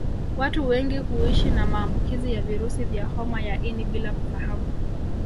Watu wengi huishi na maambukizi ya virusi vya homa ya ini bila kufahamu